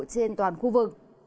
trên toàn khu vực